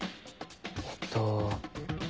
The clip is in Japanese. えっと。